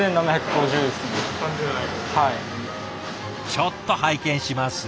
ちょっと拝見しますよ。